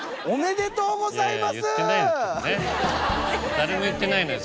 誰も言ってないのよ